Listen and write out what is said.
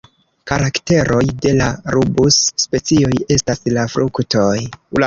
Karakteroj de la rubus-specioj estas la fruktoj.